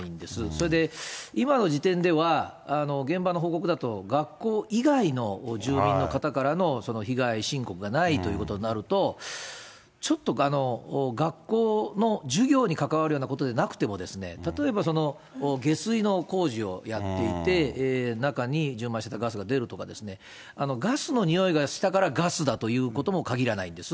それで今の時点では現場の報告だと、学校以外の住民の方からの被害申告がないということになると、ちょっと学校の授業に関わるようなことでなくても、例えば下水の工事をやっていて、中に充満してたガスが出るとかですね、ガスの臭いがしたからガスだということも限らないんです。